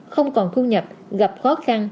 không còn thu nhập gặp khó khăn